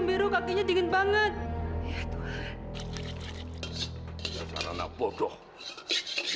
masih jadi kualitatif